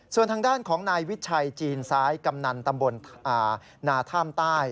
ส่วนทางด้านของนายวิชัยจีนซ้ายกำนันตำบลนาท่ามใต้